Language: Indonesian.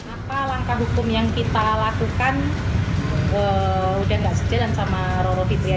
apa langkah hukum yang kita lakukan udah gak sejalan sama roro fitria